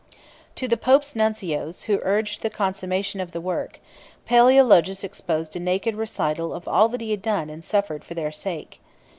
34 To the pope's nuncios, who urged the consummation of the work, Palæologus exposed a naked recital of all that he had done and suffered for their sake.